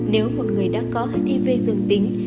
nếu một người đã có hiv dường tính